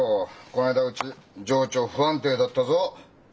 こないだうち情緒不安定だったぞ。